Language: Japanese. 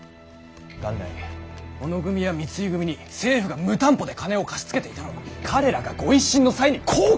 元来小野組や三井組に政府が無担保で金を貸し付けていたのは彼らが御一新の際に貢献したからだ。